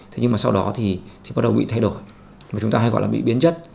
thế nhưng mà sau đó thì bắt đầu bị thay đổi mà chúng ta hay gọi là bị biến chất